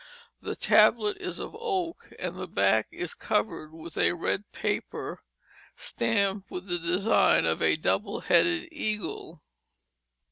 The tablet is of oak, and the back is covered with a red paper stamped with the design of a double headed eagle.